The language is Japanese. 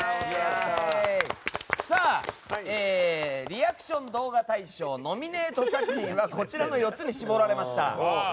リアクション動画大賞ノミネート作品はこちらの４つに絞られました。